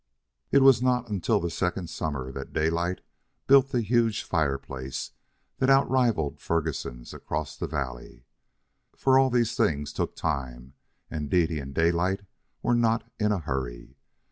It was not until the second summer that Daylight built the huge fireplace that outrivalled Ferguson's across the valley. For all these things took time, and Dede and Daylight were not in a hurry.